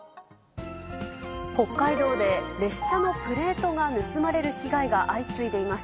北海道で列車のプレートが盗まれる被害が相次いでいます。